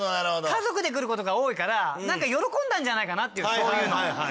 家族で来る事が多いからなんか喜んだんじゃないかなっていうそういうのを。